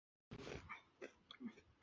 勒布斯屈埃。